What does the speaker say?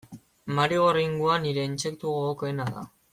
Marigorringoa nire intsektu gogokoena da.